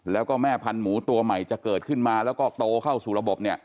แล้วก็แม่พันธุ์หมูตัวใหม่จะเกิดขึ้นมาแล้วก็โตเข้าสู่ระบบเนี่ย